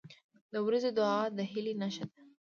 • د ورځې دعا د هیلې نښه ده.